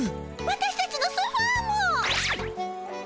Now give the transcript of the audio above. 私たちのソファーも！